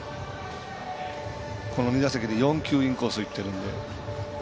この２打席で４球、インコースにいっているので。